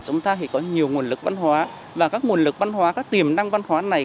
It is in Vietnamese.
chúng ta thì có nhiều nguồn lực văn hóa và các nguồn lực văn hóa các tiềm năng văn hóa này